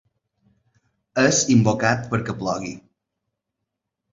És invocat perquè plogui.